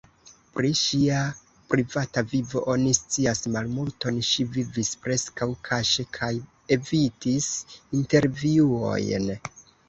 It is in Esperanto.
Pri ŝia privata vivo oni scias malmulton; ŝi vivis preskaŭ kaŝe kaj evitis intervjuojn.